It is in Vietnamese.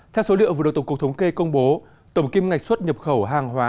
theo số liệu vừa được tổng cục thống kê công bố tổng kim ngạch xuất nhập khẩu hàng hóa